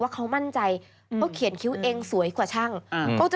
ว่ามันจะโอเคเหรอ